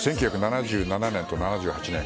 １９７７年と７８年